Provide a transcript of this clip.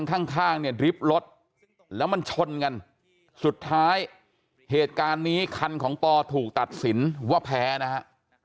ข้างข้างเนี่ยดริบรถแล้วมันชนกันสุดท้ายเหตุการณ์นี้คันของปอถูกตัดสินว่าแพ้นะฮะ